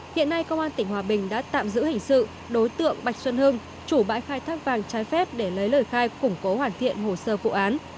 hiện nay công an tỉnh hòa bình đã tạm giữ hình sự đối tượng bạch xuân hưng chủ bãi khai thác vàng trái phép để lấy lời khai củng cố hoàn thiện hồ sơ vụ án